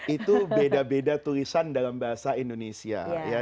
itu beda beda tulisan dalam bahasa indonesia